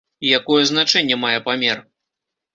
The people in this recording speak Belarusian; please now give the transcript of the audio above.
Якое значэнне мае памер?